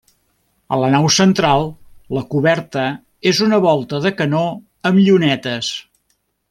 A la nau central la coberta és una volta de canó amb llunetes.